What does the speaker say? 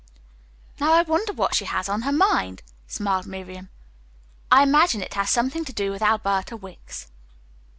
"Now I wonder what she has on her mind?" smiled Miriam. "I imagine it has something to do with Alberta Wicks."